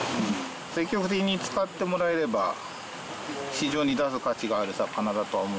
積極的に使ってもらえれば市場に出す価値がある魚だとは思うので。